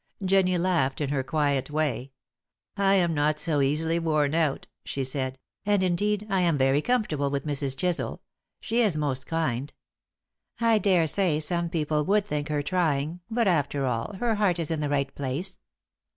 Jennie laughed in her quiet way. "I am not so easily worn out," she said; "and, indeed, I am very comfortable with Mrs. Chisel; she is most kind. I daresay some people would think her trying, but, after all, her heart is in the right place."